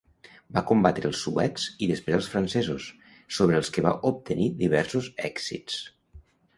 Va combatre els suecs i després als francesos, sobre els que va obtenir diversos èxits.